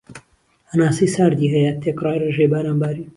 هەناسەی ساردی هەیە تێکرای رێژەی باران بارین